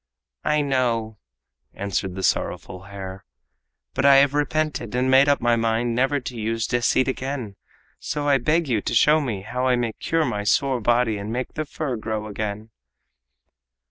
"I know," answered the sorrowful hare, "but I have repented and made up my mind never to use deceit again, so I beg you to show me how I may cure my sore body and make the fur grow again."